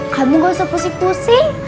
kamu gak usah pusing pusing